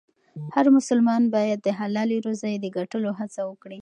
هر مسلمان باید د حلالې روزۍ د ګټلو هڅه وکړي.